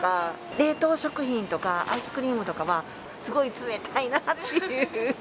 冷凍食品とか、アイスクリームとかはすごい冷たいなっていう。